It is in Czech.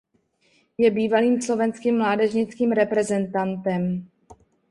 Je bývalým slovenským mládežnickým reprezentantem.